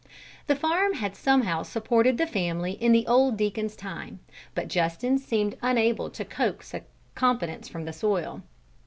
The farm had somehow supported the family in the old Deacon's time, but Justin seemed unable to coax a competence from the soil.